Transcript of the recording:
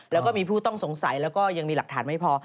แล้วก็มีผู้ต้องสงสัยแล้วก็ยังมีหลักฐานไม่พอ